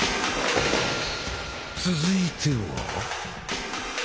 続いては。